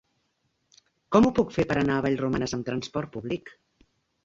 Com ho puc fer per anar a Vallromanes amb trasport públic?